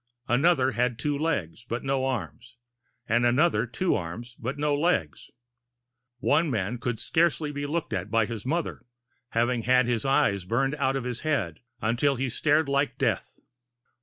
Another had two legs but no arms, and another two arms but no legs. One man could scarcely be looked at by his own mother, having had his eyes burned out of his head until he stared like Death.